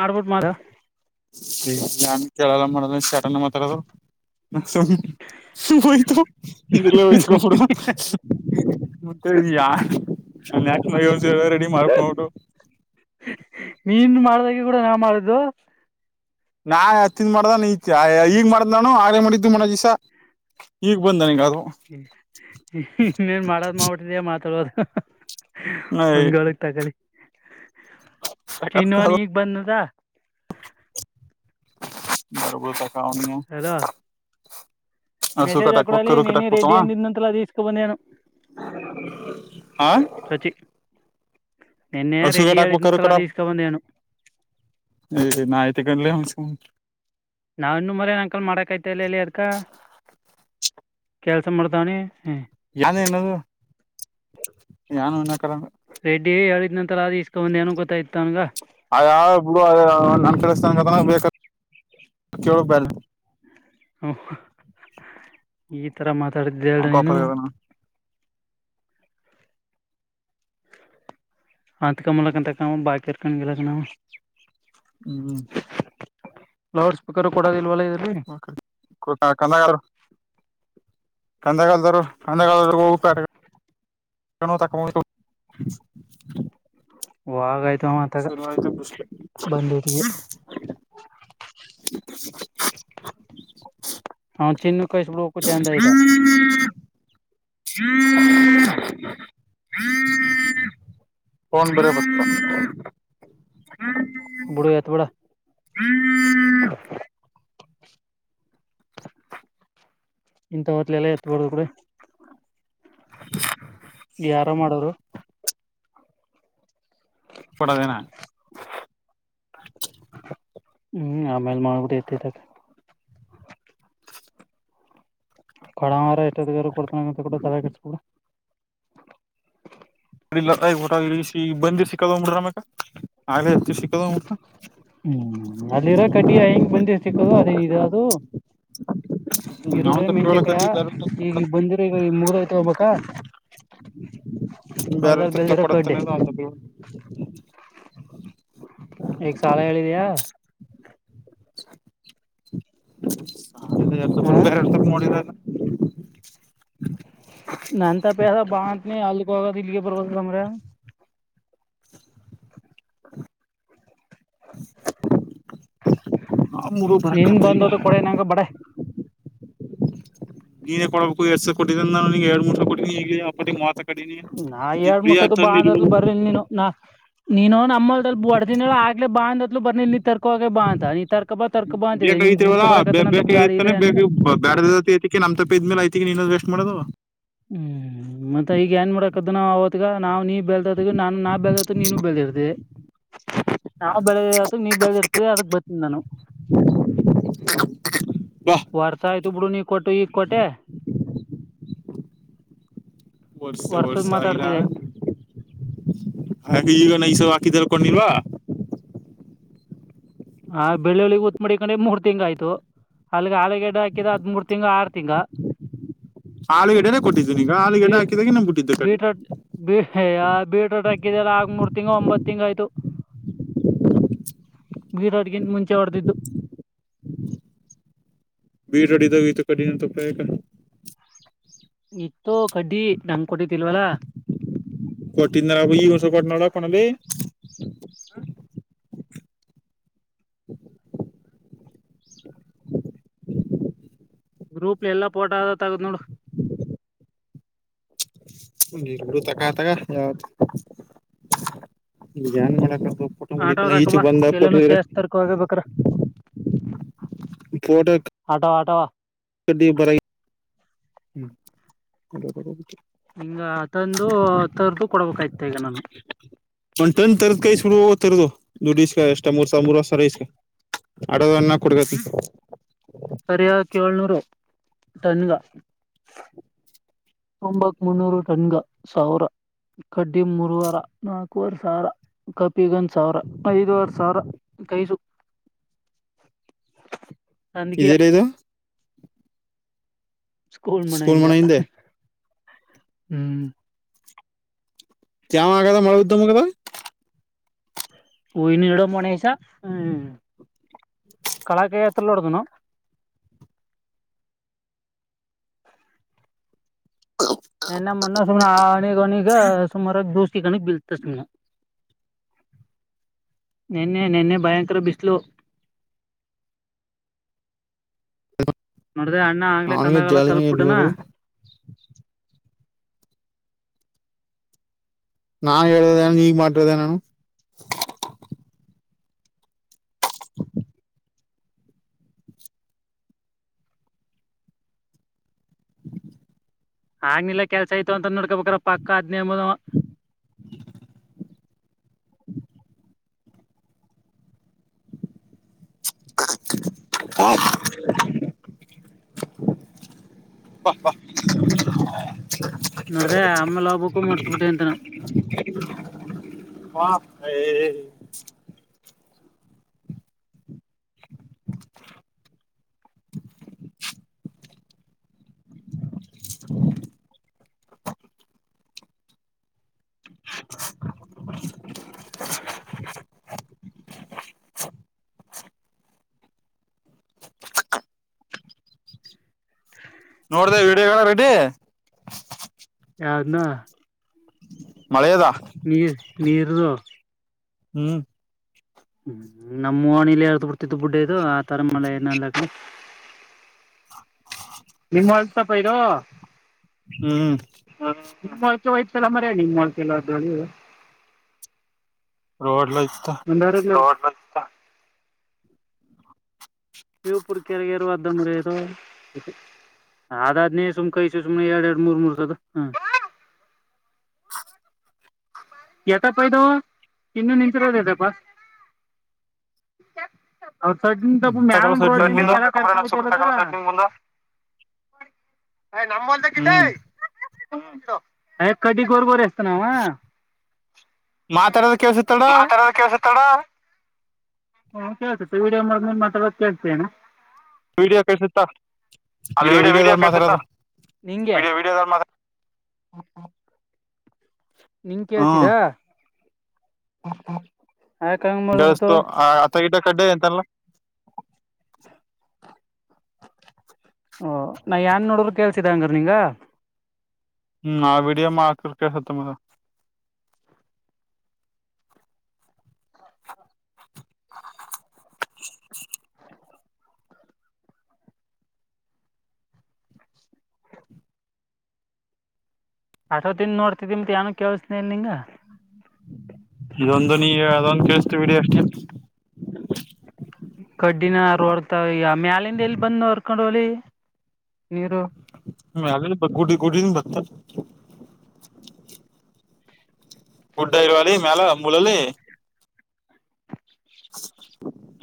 ಮಾಡ್ಬಿಟ್ ಮಾಡ ನಾನ ಕೇಳಲ ಮಲು ಶಟ ಮಾತ್ರದು ನ ತ ಇತ ಕೊತ್ತ ಯಾರ [unintelligible] ಯಾಕ್ ಮ ರೆಡಿ ಮಾಡಕ್ ನೋಟ್ಟು ನಿನು ಮಾಡದಾಗೆ ಕೂಡ ನಾ ಮಾಡಿದ್ದು ನಾ ಹತ್ತಿಂದ ಮಾಡ್ದಾನ ಈ ಈಗ್ ಮಾಡ್ದನು ಆ ಮಾಡಿದ್ದು ಮನ ದಿವಸ ಈಗ್ ಬಂದಾನ ಈಗ ಅದು ಇನ್ನೇನ್ ಮಾಡದ್ ನೋಡರಿ ಮಾತಾಡುವದು ಹಂಗೊಳಗ್ ತಕೊಳ್ಳಿ ಚನ್ನವನ್ ಈಗ್ ಬಂದದಾ ಬರಬರು ತಕನಿಯ ಅಲೋ ಮೆಸೇಜ್ ಹಾಕರು ಅಲ್ಲಿ ನೀನ ಕಟ್ಟಾಕ್ಬೇಕವ ರೆಡ್ಡಿ ಅಂದಿದ್ದಂತಲ ಅದ ಇಸ್ಕೊ ಬಂದೇನು ಹಾ ಸಚಿ ನಿನ್ನೆ ಹಸು ರೆಡ್ಡಿ ಹೇಳನ ತಲ ಅದ ಇಸ್ಕೊ ಬಂದನುು ಹ ನ ಆ್ತಗಲ್ಲ ಹನ್ಸ ನಾವ ಇನ್ನು ಮರನ್ ಅಂಕಲ್ ಮಾಡಕ್ಐತಲ್ಲ ಎಲ್ಲಿ ಅದಕ ಕೆಲ್ಸ ಮಾಡ್ತವನಿ ಯಾನ್ ಏನ ಯಾನು ಅನ್ನಕ್ ರೆಡ್ಡಿ ಏನು ಒಂತರ ಬಂದ ಅ ಯಾವಬ್ಳ ನನ್ ಕೇಳಿಸ್ತ ಗ ಬೇಕ [unintelligible] ಚೋಗ್ ಬಲೆ ಹ ಈ ತರ ಮಾತಾಡಿದ್ದೆ ನೀನು ಕಾಪದ ಹಂತ ಕಾಮಲ್ಲಂತ ಕ ಬಾಕಿ ಇರ್ಕಲ್ಲ ಹ್ಮ್ಮ ಲೌಡ್ ಸ್ಪೀಕರ್ ಕೂಡ ಕನ್ನಗ [unintelligible] ಕಂದಗಾಲದರು ಕಂದಗಾಲದ ಹೋಗಪ ತ [unintelligible] ಹೋಗ ಆಯ್ತ ಸುರ್ವಯತ ಬಿಸಿಲು ಹಾ ಚಿನ್ನ ಕಳ್ಸಿ ಬಿಡು ಹ್ಮ್ ಫೋನ್ ಬೇರೆ ಬರ್ತ ಬುಡು ಎತ ಬಡ ಇಂತ ಹೊತ್ಲೆ ಎಲ್ಲ ಎತ್ಬಡುದು ಕೂಡೆ ಯಾರ ಮಾಡೋರು ಫಡದನಾ ಹ್ಮ್ ಆಮೇಲೆ ಮಾಡ್ಬಿಟ್ಟ ಎತ್ತತ ಕೊಡವರ ಎಷ್ಟದಗಾರ ಕೊಡ್ತನಂತ ಕೂಡ ತರ ಕೆಕಡ ಇ ಟ ಬಂದಿ ಸಿಕ್ಕ್ಬಡ್ರ ಅ ಮ ಆ ಸಿ ಹ್ಮ್ ಅಲ್ಲಿರ ಕಡಿಯ ಹೆಂಗ್ ಬಂದಿರ್ ಸಿಕ್ಕದು ಅದೇನಿದೆ ಅದು ಈರುಳ್ಳಿ ನಾವಂತ ಪಿರವಳಕ ಮೆಣಚೆಕಾಯ ಬೇರೆ ಈಗ ಬಂದಿರು ಈಗ ಮುಗ ಹಬಕ್ಕ ಬೇರೆವ ಚರ್ ತ ಕೊಡತ್ತನದು ಅಾದ ಈ ಶಾಲ ಹೇಳಿಿದೆಯ ಇ ಎರ ಹ ರೂಪಾಯ ಎರಸ ನೋಡಿದಲ್ಲ ನಂತ ಪ ಬಾಂತನ ಅಲ್ಲಿಕ್ ಹೋಗ ಇಲ್ಲಿಗೆ ಬರ್ಬದುಮ್ರೆ [inaudible] ಹ ಮೂರು ನಿನ್ ಬರೋಕಾಗ್ದ ಈಗ ಬಂದದ ಕೊಡ ನಂಗ ಬಡ ನೀನೇ ಕೊಡಬೇಕು ಎಡ್ ಸಾವಿ ಕೊೋಿದ ಅ್ರ ನಗೆ ಎಡು ಮೂರ್ ಸಿರ ಕೊಿಗೆ ಮಾತ ಕಟ್ಟಿನಿ ನಾ ನೀ ಎರಡ್ ಫ್ರೀ ಮೂರ್ ಸತ ಆಗಿ ಬಾ ತಂದು ಅಂದತ್ಲು ಇರ್ಬೇಕು ಬರಲ್ ನೀನು ನಾ ನೀನು ನಮ್ಮಲ್ ಬಡ ದಿನ ಆಗ್ಲಿ ಬಾಂದಲು ಬರ್ಿ ಇ ತರ್ ತರ್ಕ ಹಾಗ ಬಾ ಅಂತ ನೀ ತರ್ಕ ಬಾ ತರ್ಕ ಬಾ ಅಂತಿದೆ ನೀ ಬೇಕಾಗಿತಿವಲ್ಲಾ ಹುಡ್ಕೊ ಬೇ ಬರಕದ ಅಂತ ಗಾಡಿ ಇಲ್ಲ ಅನಿಲ್ಲ ನಮ ತ ಪಪದ ಮೇ ಯಐತಿಗ ನೀನ್ನ್ ವೆಸ್ಟ್ ಮಾಡೋದು ಹ್ಮ್ ಮತ್ತ ಈಗ ಏನ್ ಮಾಡಡಕದ ನಾವ ಅವತ್ಗ ನಾವ್ ನೀ ಬೆಲ್ದ ನಾನು ನಾ ಬೆಲ್ದತ ನೀನು ಬೆಲ್ದಿರ್ತಿಿ ನಾವವು ಬೆಳೆದ ಅದಕ್ ನೀ್ ಬೆಳದಿ ಇರ್ತವಿ ಅದಕ್ ಬತೀನಿ ನಾನು ಬಾ ವರ್ಸ ಆಯ್ತು ಬಿಡು ನೀ ಕೊಟೆ ಈಗ್ ಕೊಟೆ [inaudible] ವರ್ಷ ವರ್ಷದ ವರ್ಷ ಆಗಿಲ್ಲ ಮಾತಾಡ್ತಿದೆ ಹಾಗ ಈಗಾಕ ಕೊಂಡಿಲ್ವಾ ಹ ಬೆಳ್ಳುಳ್ಳಗ್ ಉತ್ ಮಾಡಿಿಕೊಂಡ್ರೆ ಮೂರ್ ತಿಂಗ್ ಆ್ತು ಅಲ್ಲಿ ಆ ಗಿಡ್ ಹಾಕಿದದ್ಮ ಮೂರ್ ತಿಂಗ್ ಆರು ತಿಂಗ್ ಆಲೂಗಡ್ಡೆನೆ ಕೊಟ್ಟಿದ್ದೀನಿ ಈಗ ಹ ಬ ಆಲೂಗಡ್ಡೆ ಹಾಕಿದಾಗ ನಮ್ ಬಿಟ್ಟಿದ್ದು ಕಡ್ಡಿ ಬೀಟ್ಬಟೋಟ್ ಹಾಕಿದೆಲ್ಲ ಆಗಡ್ತ ತಿಂಗ್ ಒಂಬತ್ತು ತಿಂಗ ಆಯ್ತು ಬೀರಾಡ್ಗಿಂದ ಮುಂಚೆ ಹೊಡೆದಿದ್ದು ಬಿೀಟಡಿದ ಕಡಿ ನ ತಪ್ಪಗ ಇತ್ತುೋ ಕಡ್ಡಿ ನಮ್ಕಟ್ಟತಿಲ್ವಲ್ಲಾ ಕೊಟ್ಟಿದನಾರ ಈ ವರ್ಷ ಕೊಟ್ಟ ನೋಡ ಕೊನಲ್ಲಿ ಗ್ರೂಪ್ ಎಲ್ಲಾ ಪೋಟ ಆದದ ತಗದು್ ನೋಡು ನೀಡು ತಗತಗ ಯಾವತ್ ಈಗ ನ್ ಹೇಳತ್ತ ಆಟ ತಾಕಬಾ ಎಲ್ಲನೂ ಸೇಸ್ ತರ್ಕವಾಗಬೇಕ್ರ ಫೋಟಟ್ಟ ಆಟೋ ಆಟೋ ಬ [unintelligible] ಹ್ಮ್ ಅ. [inaudible] ಹಿಂಗ ತಂದು ತರ್ದು ಕೊಡಬೇಕಾಯ್ತ ಈಗ ನಾನು. ತಿರುಗು ದುಡ್ಡು ಇಸ್ಕ ಎಷ್ಟ ಮೂರ್ ಸಾವರ ಮೂರ್ರ್ ಸರ ಇಸ್ಕ ಆಡ ಅಣ್ಣ ಕೊಡಬೇಕು ಈಗ. ಸರಿಯ ಏಳ್ನೂರು ಟನ್ಗ. ತೊಂಬತ್ ಮುನ್ನೂರು ಟನ್ಗ ಸಾವಿರ ಕಡ್ಡಿ ಮೂರುವರ ನಾಕವರೆ ಸಾವಿರ ಕಪಿಗ ಒಂದ್ ಸಾವಿರ ಐದುವರು ಸಾವಿರ ಕೈಸು [inaudible] ಇದದೆೇರದು ಸ್ಕೂಲ್ ಮನೆಯಿಂದ ಮನೆ ಹಿಂದೆ ಹ್ಮ್ ಜಾವ ಆಗದ ಮಾಡುವ್ದಮ್ಮಗೆದ ನಡೋ ಮನೆಸ ಹ್ಮ ಕಲಾಕ್ಕೆ ಎತ್ರಲ್ಲೋಡ್ತಣ ಎ ಮನ ನ ಸುನೆ ಆ ಅನ ವನ ಸು ಮರ ದೂಷ ಕನ ಬಿಲ್ತ ಸ ನಿನ್ನೆ ನಿನ್ನೆ ಭಯಂಕರ ಬಿಸ್ಲು. [inaudible] ನೋಡ್ದ ಅಣ್ಣ ಆಗ್ಲೇ ಅವನಿಗೆ ಕಂದಾಗಲ್ಲ ಜಾಲಿ ತಲುಪಬಿಟನಾ. ಇಟ್ಕೊರು ನಾನ್ ಹೇಳದೇ ನೀಗ್ ಮಾಡದ ನಾನು. ಆಗ್ನಿಲ್ಲಾ ಕೆಲ್ಸ ಆಯತು ಅಂತ ನೋಡ್ಕೋಬೇಕ್ರ ಪಕ್ಕ ಅದ್ನೇಮದ. ಹ. [inaudible] ಬಾ ಬಾ. ನೋಡ್ದ ಆಮೇಲೆ ಹೋಗ್ಬಕ್ಕು ಮರ್ತ್ ಬಿಟ್ಟೆ ಅಂತಾನ. ವಾ ಏ. [inaudible] [inaudible] ಹ. [inaudible] ನೋಡ್ದ ವಿಡಿಯೋಲ್ಲ ರೆಡ್ಡಿ. ಯುದ್ನ. ಮಳೆೆಯದಾ. ನೀರ್ದು. ಹ್ಮ್. ಹ್ಮ್ ನಮ್ಮ್ಣಿಲಿ ಎದ್ರ ಬಿಡ್ತಿದ್ದು ಬುಡ್ಡ ಇದು ಆ ತರ ಮಳೆ ಏನಲ್ಲ ಕ. [inaudible] ನಿಮ್ಮ್ ಹೊಲ್ಸಪ ಇದು. ಹ್ಮ್. ನಿಮ್ಮಕ ಹೊಯ್ತ ಎಲ್ಲ ಮರ ನಿಮ್ಮ ಮಳಕೆಲ್ಲದ. ರೋಡ್ಲ ಇತ. ಮತ್ತ. ನೀವುಪುರ ಕೆರಗೆರು ಅದಮಗೆರು. ಅದಾದ್ನೇ ಸುಮ್ ಕೈಸ ಸುಮ್ನೆ ಎರಡ್ ಎರಡು ಮೂರ್ ಮೂರು ಸದ ಹ. ಎಟಪ್ಪ ಇದು ಇನ್ನೂ ನಿಮಷ ರೋದು ಯತಪ್ಪ. ಅವ ಸ ಮ್ಯಾ. ಹ್ಮ್. [inaudible] ಸಡ್ನಿಂಗ್ ಮುಂದ ನಮ್ಮ ಒಂದ ಕೀಟ. ಹ್ಮ್ ಕಡಿ ಗೋರಗೋರಿ ಎಸ್ತ ನವಾ. ಮಾತಾಡೋದು ಕೇಳಿಸುತ್ತಡ ಮಾತಾಡೋದು ಕೇಳ್ತಾ ಇದ ಅಣ್ಣ. ಹ್ಮ ಕೇಳ್ತತಿ ವಿಡಿಯೋ ಮಾಡ ನೀನ್ ಮಾತಾಡೋದ ಕೇಳ್ತನೆ. ವಿಡಿಯೋ ಕಳ್ಸುತ್ತ ವಿಡಿಯೋ ವೀಡಿಯೋದಳ ಮಾತಾಡೋದು. ನಿಂಗೆ ವಿಡಿಯೋ ವಿಡಿಯೋ ಮಾತಾಡ. ನಿಂಗ ಕೇಳ್ಸಿದ. ಹ್ಮ್ ಯಾಕೆ ಹಂಗೆ ಮಾಡ್ಬಿಡ್ತು ಬೆಳಸ್ತು ಅಥ ಈಟ ಕಡ್ಡೆ ಎಂತಲ್ಲ. ಓ ನಾ ಏನ್ ನೋಡ್ರು ಕೇಲ್ಸಿದಂಗ್ರ ನಿಂಗ. ಹ್ಮ್ ಆ ವಿೀಡಿಯ ಮಾಡಕಕ ಹತ್ತ ಮರ [unintelligible] ಆಟವ ದಿಂದ ನೋಡ್ತಿದಿ ಮತ್ ಏಾನ ಕೇೇಳಸನೇ ನಿಂಗ ಇದೊಂದು ನೀ ಅದೊಂದು ಕೇಳಿಸತೀ ಬಿಡಿ ಅಷ್ಟೇ. ಕಡ್ಡಿನ ಹೊರ್ತಾವ ಈಗ ಮ್ಯಾಲಿಂದ ಎಲ್ಲಿ ಬಂದ ಹರ್ಕೊಂಡ ಹೋಳಿ. ಮಲೆ ಬಗುಟಿ ಕುಟಿ ಬತ. ಗುಡ್ಡ ಇರುವವಾಲಿ ಮ್ಯಾಲ ಮೂಲಲ್ಲಿ.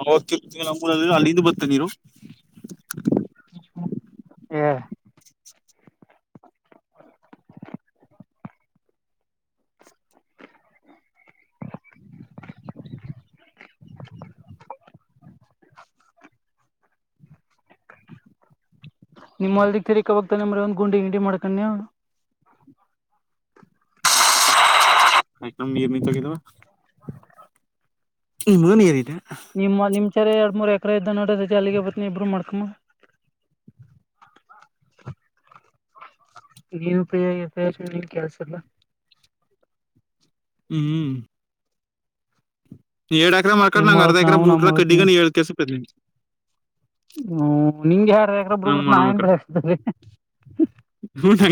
ಹ ಕೆ ನೂರ ಅಲ್ಲಿಂದ ಬರ್ತ್ತ ನೀರು. ಹೇ. ನಿಮ್ ಅಲ್ದ ತಿರಿಕಬಕ್ತಾನೆರ ಒಂದ್ ಗುಂಡಿ ಗಿಂಡಿ ಮಾಡ್ಕನಿಯ. ಮೈತುಂಬಿ ಮತೋಗಿದ್ದಾ. ಇಲ್ಲೂ ನೀರಿದೆ. ನಿಮ್ಮ ನಿಮ್ಚರ ಎರಡ್ ಮೂರ್ ಎಕರೆ ಇದ್ದ ನಡತೈತಿ ಅಲ್ಲಿಗೆ ಬತ್ತನ ಇಬ್ರು ಮಾಡ್ಕಮ್ಮ [unintelligible] ಈನು ಪ್ರ ಕೆಲ್ಸಲ್ಲ ಹ್ಮ್ ಹ್ಮ ಏ ಎಕರ ಮಕೊಂಡು ನಿಮ್ ನಂ ಅರ್ಧ ಹೊಲಕ್ ಎಕರ ನಾವು ನಮ್ ಬೂಟ ಹೊಲಕ್ ನೀವು ಕಡ್ಡಿಗ ಏ ಕೆಸ ಪತನಿ ನಿನ್ಂಗಗೆ ಯಾರ ಯಕ್ರ ನಂಗ್ ಬಿಡ್ಬಿಟ್ಟು ನಾ ಏನ್ ಮಾಡಬೇಕ್ರ ಬತ್ರೀ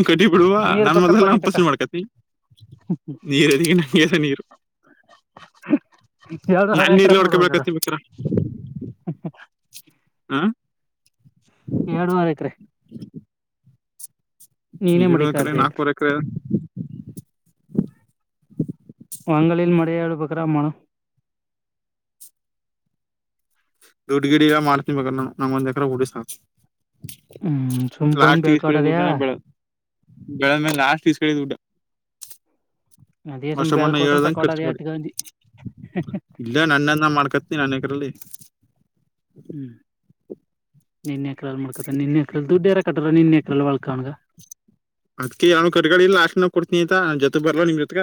ಕಟ್ಟಿ ಬಿಡುವ ನನ್ ಮೊದಲೆಲ್ಲಾ ಹಂಪಸ್ಲಿ ಮಾಡ್ಕತಿ ನೀರು ಅದಕ್ಕೆ ನಂಗೆಸ ನೀರು ಎರಡುವರೆ ಎಕರೆ ನಾನಲ್ಲಿ ಒಡ್ಕ ನೋಡುವಾಗರ ಬೆಳ್ಕತೀಬೇಕಾರ ಹ್ಮ ಎರಡುವರೆಕ್ರೆ ಳ ಮಡಿಕ ಎಕರೆ ಅರ್ಧ ನಾಲ್ಪೂರ್ ಎಕರೆ ವಂಗಲಲ್ ಮಡೆಯಾಡು ಪಕರ ಮಣ ದುಡ್ಡು ಗಿಡಿ ಎಲ್ಲ ಮಾಡ್ತನ್ಿ ಬ ನ ನಂಗ್ ಒಂದ್ಕ್ರ ಹುಡಿಸ್ ಹ್ಮ್ ಸುಮ್ ಬಂದ್ ಲಾಸ್ಟ್ ಈೀಸ್ ಕಡೆ ಬೆಳ್ಕಾಟದ್ಯಾ ಟ ಬೆಳ ಬೆಳದ ಮ ಲಾಸ್ಟ್ ಈೀಸ್ ಕಡೆ ಟ ಅದೇ ಸುಮ್ ವರ್ಷ ಮಣ್ಣ ಬೆಳ್ಕೊಟ ಹೇಳ್ದಂ ಖರ್ಚ ತಕೊಟದ ಮಾಡಿ ಅಟ್ ಗಂಜಿ ಇಲ್ಲ ನನ್ನನ್ನ ಮಾಡ್ಕತ್ನಿ ನನ್ಕರಲ್ಲಿ ಹ್ಮ್ ನಿನ್ನೆ ಎಕ್ರ ಮಾಡ್ಕತ ನಿನ್ನೆ ಎಕ್ರ ದುಡ್ಡು ಎರ ಕಟ್ರ ನಿನ್ನೆ ಎಕರೆಲ್ ಒಳ್ಕಣಗ ಅದ್ಾವನು ಕರ್ಗಳಿಲ್ಲ ಅಾಷ್ಟನ ಕೊಡ್ತೀನಿಯಾ ಜೊತೆ ಬರ್ಲ್ಲ ನಿಮ್ೊ ಪ್ರ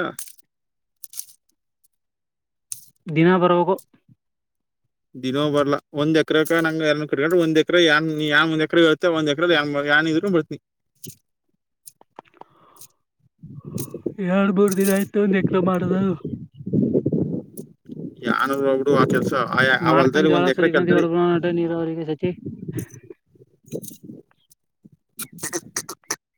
ದಿನ ಬರಾಗೋ ದಿನೋ ಬರ್ಲ್ಲ ಒಂದ ಎಕರೆ ನಂಗ ಎರಕೊಂಡ್ರ ಒಂದ ಎಕ್ರ ಯಾವ ಒಂದ ಎಕ್ರ ಇರುತ್ತೆ ಒಂದ ಎಕ್ರ ಇ ಬಡ್ತೀ [unintelligible] ಎರಡ್ ದಿನ ಆಯ್ತು ಒಂದ ಎಕ್ರ ಮಾಡದಾಗ. ಯಾನ ಒಬ್ಬಡು ಆತ ಅವ ಅಲ್ದರಿ ಮಾಡ್ಕೊಂಡ್ ಜೋಳ ಒಂದ್ ಎಕರೆ ಸುರಿಕಂತ ಕೆಲ್ತರಿ. ಹೊಡ್ಬಿಡೋಣ ನೀರಾವರಿಗೆ ಸತಿ. [unintelligible]